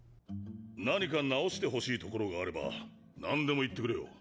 何か直してほしいところがあれば何でも言ってくれよ。